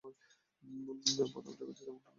আমার জগতে তেমনটা নয়।